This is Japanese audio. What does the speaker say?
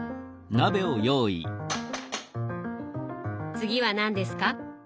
次は何ですか？